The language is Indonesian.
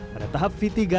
pada tahap v tiga